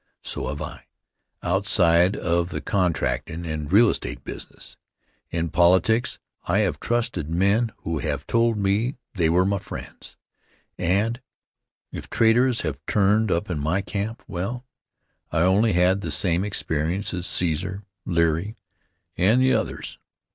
So have I, outside of the contractin' and real estate business. In politics I have trusted men who have told me they were my friends, and if traitors have turned up in my camp well, I only had the same experience as Caesar, Leary, and the others.